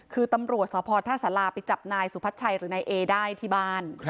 คือตำรวจสพท่าสาราไปจับนายสุพัชชัยหรือนายเอได้ที่บ้าน